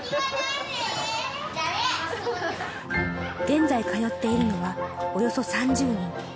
現在通っているのはおよそ３０人。